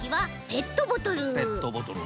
ペットボトルな。